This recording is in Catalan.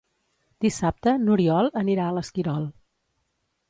Dissabte n'Oriol anirà a l'Esquirol.